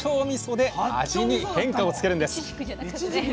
みそで味に変化をつけるんです。